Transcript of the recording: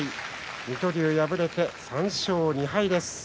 水戸龍、敗れて３勝２敗です。